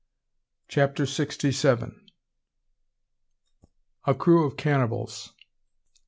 CHAPTER SIXTY SEVEN. A CREW OF CANNIBALS.